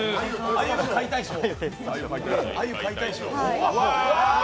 あゆの解体ショー。